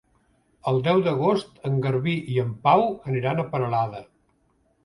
El deu d'agost en Garbí i en Pau aniran a Peralada.